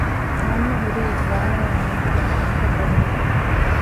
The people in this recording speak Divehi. މަންމަ ހުރީ ވާނުވާ ނޭގިގެން ކަންތައް ބޮޑުވެފަ